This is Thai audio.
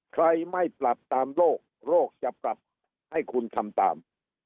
ใครไม่ปรับตามโลกโลกจะปรับให้คุณทำตาม